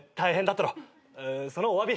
そのおわび。